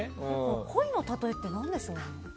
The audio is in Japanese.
鯉の例えって何でしょうね？